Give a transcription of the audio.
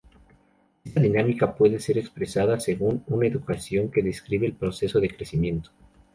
Esta dinámica puede ser expresada según una ecuación que describe el proceso de crecimiento.